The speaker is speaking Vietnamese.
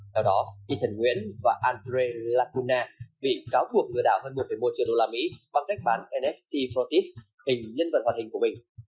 do đó ethan nguyễn và andre lacuna bị cáo buộc lừa đảo hơn một một triệu usd bằng cách bán nft frotis hình nhân vật hoạt hình của mình